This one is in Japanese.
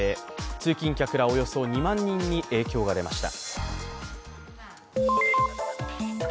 通勤客らおよそ２万人に影響が出ました。